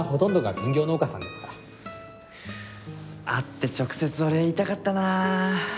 会って直接お礼言いたかったなあ。